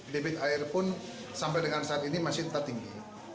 debit air pun sampai dengan saat ini masih tetap tinggi